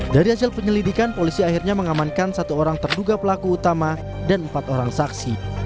dari hasil penyelidikan polisi akhirnya mengamankan satu orang terduga pelaku utama dan empat orang saksi